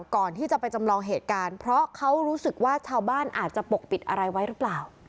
ก่อนที่จะไปจำลองเหตุการณ์เพราะเขารู้สึกว่าชาวบ้านอาจจะปกปิดอะไรไว้หรือเปล่า